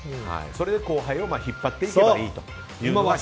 それで後輩を引っ張っていけたらいいと。